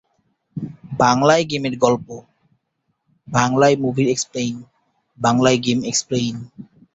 একসাথে শহর দুটি "যমজ শহর" নামে পরিচিত।